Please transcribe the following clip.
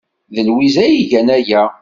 D Lwiza ay igan aya.